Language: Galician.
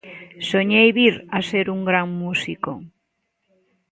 Soñei vir a ser un gran músico.